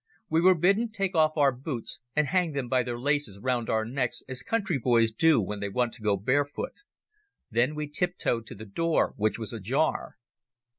We were bidden take off our boots and hang them by their laces round our necks as country boys do when they want to go barefoot. Then we tiptoed to the door, which was ajar.